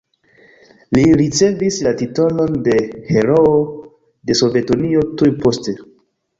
Li ricevis la titolon de Heroo de Sovetunio tuj poste.